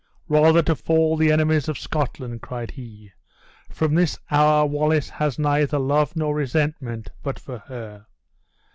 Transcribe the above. "Rather to fall the enemies of Scotland!" cried he; "from this hour Wallace has neither love nor resentment but for her.